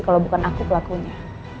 kalau bukan aku pelakunya